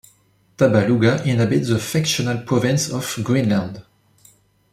Tabaluga inhabits the fictional province of "Greenland".